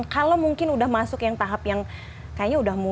kalau mungkin udah masuk yang tahap yang kayaknya udah mulai